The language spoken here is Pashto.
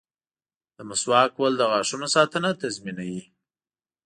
• د مسواک کول د غاښونو ساتنه تضمینوي.